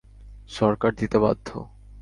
সরকার দিতে বাধ্য।